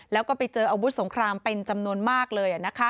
แล้วก็ไปเจออาวุธสงครามเป็นจำนวนมากเลย